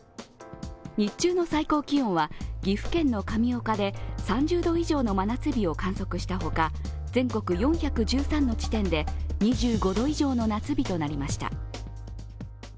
日中の最高気温は岐阜県の神岡で３０度以上の真夏日を観測した他、全国４１３の地点で２５度以上の夏日となりました。